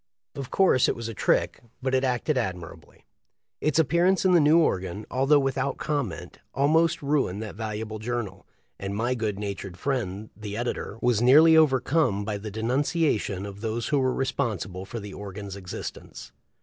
Of course it was a trick, but it acted admirably. Its appearance in the new organ, although without comment, almost ruined that valuable journal, and my good natured friend the editor was nearly overcome by the denunciation of those who were responsible for the organ's existence.